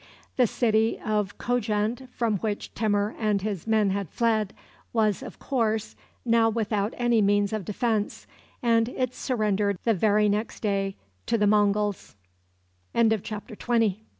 The city of Kojend, from which Timur and his men had fled, was, of course, now without any means of defense, and it surrendered the very next day to the